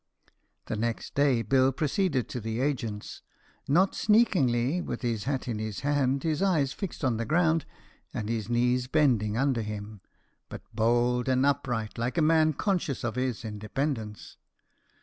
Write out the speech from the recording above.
The next day Bill proceeded to the agent's; not sneakingly, with his hat in his hand, his eyes fixed on the ground, and his knees bending under him; but bold and upright, like a man conscious of his independence.